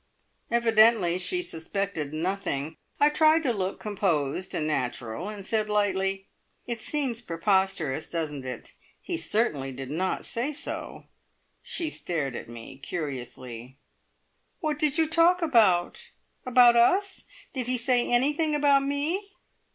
Evidently she suspected nothing. I tried to look composed and natural, and said lightly: "It seems preposterous, doesn't it. He certainly did not say so." She stared at me curiously. "What did you talk about? About us? Did he say anything about me?"